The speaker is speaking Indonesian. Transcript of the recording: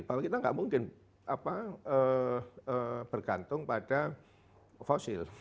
bahwa kita tidak mungkin bergantung pada fosil